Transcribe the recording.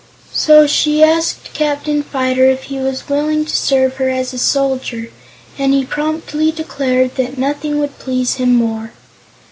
So she asked Captain Fyter if he was willing to serve her as a soldier, and he promptly declared that nothing would please him more.